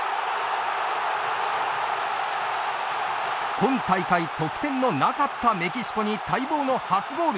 今大会得点のなかったメキシコに待望の初ゴール。